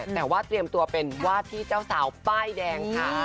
แต่ว่าเตรียมตัวเป็นวาดที่เจ้าสาวป้ายแดงค่ะ